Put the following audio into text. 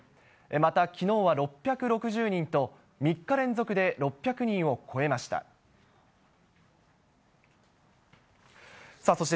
また、きのうは６６０人と、３日連続で６００人を超えました。